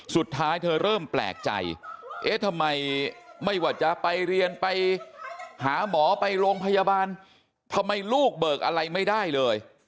สุดท้ายเธอเริ่มแปลกใจเอ๊ะทำไมไม่ว่าจะไปเรียนไปหาหมอไปโรงพยาบาลทำไมลูกเบิกอะไรไม่ได้เลย